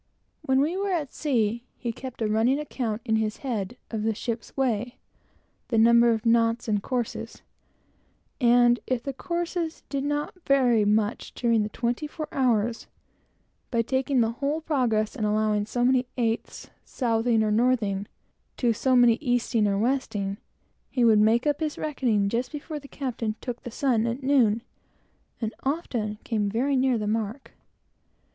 When we were at sea, he kept a running account, in his head, of the ship's way the number of knots and the courses; and if the courses did not vary much during the twenty four hours, by taking the whole progress, and allowing so many eighths southing or northing, to so many easting or westing; he would make up his reckoning just before the captain took the sun at noon, and often came wonderfully near the mark. Calculation of all kinds was his delight.